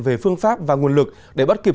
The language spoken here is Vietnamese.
về phương pháp và nguồn lực để bắt kịp